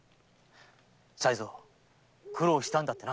才蔵苦労したんだってな？